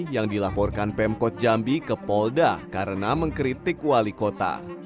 yang dilaporkan pemkot jambi ke polda karena mengkritik wali kota